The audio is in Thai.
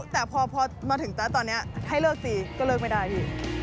แต่พอมาถึงตอนนี้ให้เลิกสิก็เลิกไม่ได้พี่